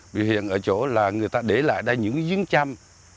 bị huyện ở chỗ là người ta để lại đây những viếng trăm